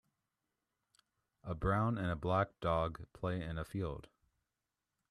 a brown and a black dog play in a field